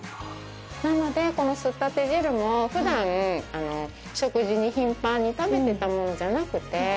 なので、このすったて汁もふだん、食事に頻繁に食べてたものじゃなくて。